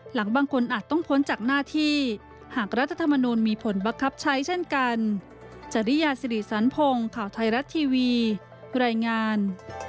หลังบางคนอาจต้องพ้นจากหน้าที่หากรัฐธรรมนูลมีผลบังคับใช้เช่นกัน